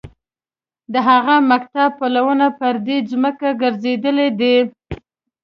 د هغه مکتب پلونه پر دې ځمکه ګرځېدلي دي.